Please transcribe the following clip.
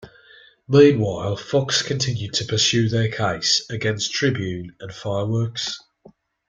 Meanwhile, Fox continued to pursue their case against Tribune and Fireworks.